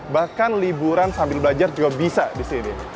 bahkan liburan sambil belajar juga bisa di sini